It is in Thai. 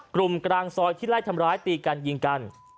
กลางซอยที่ไล่ทำร้ายตีกันยิงกัน